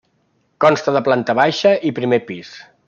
Consta de planta baixa i primer pis.